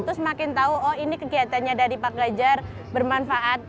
terus makin tahu oh ini kegiatannya dari pak ganjar bermanfaat